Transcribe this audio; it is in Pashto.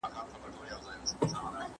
¬ غم ډک کور ته ورلوېږي.